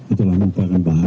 itulah memperkenalkan bahagian